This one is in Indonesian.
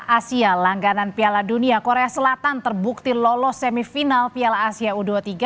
asia langganan piala dunia korea selatan terbukti lolos semifinal piala asia u dua puluh tiga